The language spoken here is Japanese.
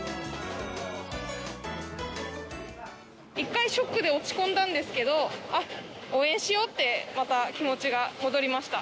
１回ショックで落ち込んだんですけど、あっ、応援しようって、また気持ちが戻りました。